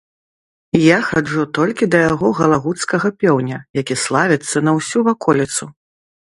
Я хаджу толькі да яго галагуцкага пеўня, які славіцца на ўсю ваколіцу.